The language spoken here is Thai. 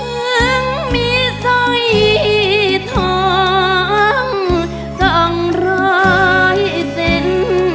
เพิ่งมีสอยทองสองร้อยเซ็น